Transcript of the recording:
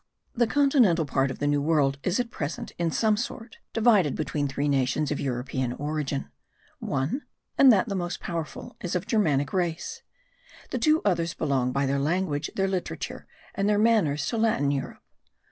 The continental part of the New World is at present in some sort divided between three nations of European origin; one (and that the most powerful) is of Germanic race: the two others belong by their language, their literature, and their manners to Latin Europe.